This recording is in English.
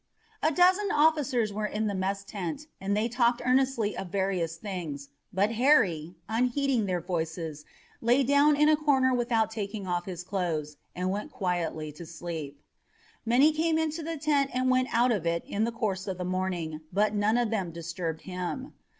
A dozen officers were in the mess tent, and they talked earnestly of various things, but Harry, unheeding their voices, lay down in a corner without taking off his clothes and went quietly to sleep. Many came into the tent or went out of it in the course of the morning, but none of them disturbed him.